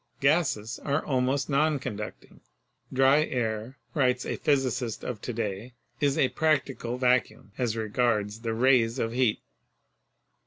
Gases are almost non conducting. "Dry air," writes a physicist of to day, "is a practical vacuum as regards the rays of heat."